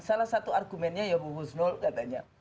salah satu argumennya ya bu husnul katanya